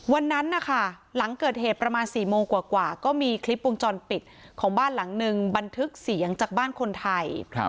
วันนั้นนะคะหลังเกิดเหตุประมาณ๔โมงกว่าก็มีคลิปวงจรปิดของบ้านหลังนึงบันทึกเสียงจากบ้านคนไทย